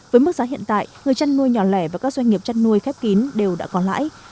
với mức giá hiện tại người chăn nuôi nhỏ lẻ và các doanh nghiệp chăn nuôi khép kín đều đã có lãi